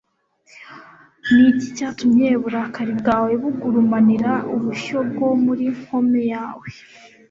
ni iki cyatumye uburakari bwawe bugurumanira ubushyo bwo mu nkome yawe